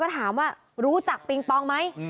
ถามว่ารู้จักปิงปองไหม